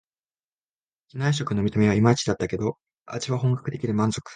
機内食の見た目はいまいちだったけど、味は本格的で満足